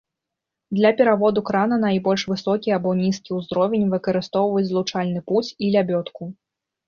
Для пераводу крана на больш высокі або нізкі ўзровень выкарыстоўваюць злучальны пуць і лябёдку.